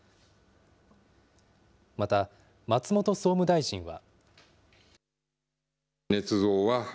また、松本総務大臣は。